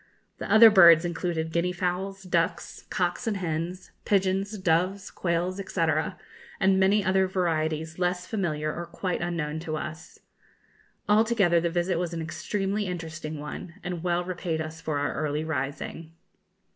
The other birds included guinea fowls, ducks, cocks and hens, pigeons, doves, quails, &c., and many other varieties less familiar or quite unknown to us. Altogether the visit was an extremely interesting one, and well repaid us for our early rising.